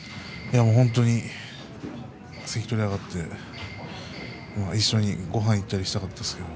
本当に関取に上がって一緒に、ごはんに行ったりしたかったですけれど。